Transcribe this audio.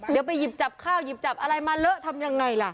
เดี๋ยวไปหยิบจับข้าวหยิบจับอะไรมาเลอะทำยังไงล่ะ